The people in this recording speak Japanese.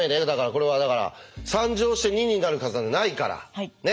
これはだから３乗して２になる数なんてないから。ね？